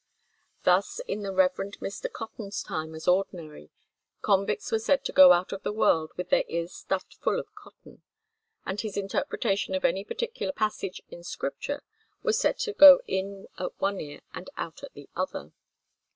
Thus in the Reverend Mr. Cotton's time as ordinary, convicts were said to go out of the world with their ears stuffed full of cotton; and his interpretation of any particular passage in Scripture was said to go in at one ear and out at the other.